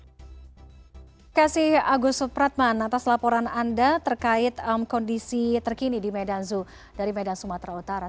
terima kasih agus supratman atas laporan anda terkait kondisi terkini di medan zoo dari medan sumatera utara